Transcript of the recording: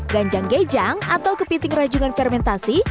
ganjang gajang atau kepiting rajungan fermentasi